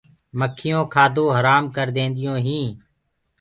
مکيونٚ ڪآدو هرآم ڪر دينديونٚ هينٚ۔